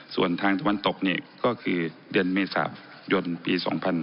ส่วนทางตะวันตกนี่ก็คือเดือนเมษายนปี๒๕๕๙